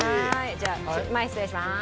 じゃあ前失礼しまーす。